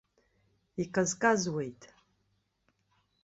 Иказказуеит.